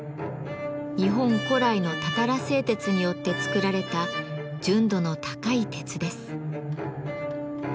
日本古来のたたら製鉄によって作られた純度の高い鉄です。